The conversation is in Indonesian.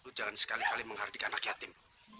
itu jangan sekali kali menghardikan anak yatim